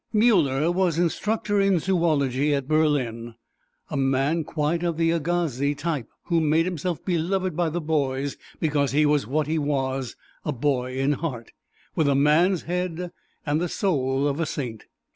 Muller was instructor in Zoology at Berlin, a man quite of the Agassiz type who made himself beloved by the boys because he was what he was a boy in heart, with a man's head and the soul of a saint.